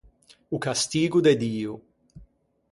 O castigo de Dio.